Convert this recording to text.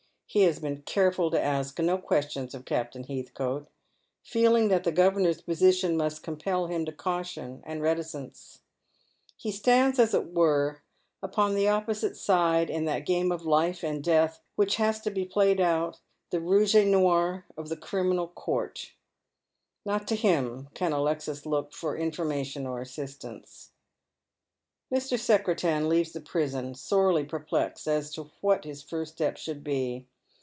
He has been careful to ask no questions of Captain Heathcote, feeling that the governor's position must compel him to caution and reticence. He standa M it were upon the opposite side in that g.^me of life and death " But here is one wJio loves you as of old." 33^ which has to be played out — the rouge et noir of the criminal court. Not to bim can Alexis look for infoiination or assistance. Mr. Secretan leaves the prison sorely perplexed as to what his first step should be.